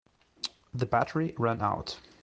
The battery ran out.